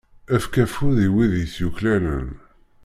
Efk afud i wid i t-yuklalen.